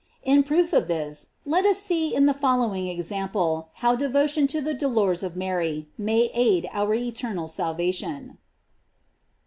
In proof of this, let us see in the following example how devotion to the dolors of Mary may aid our eternal salva tion.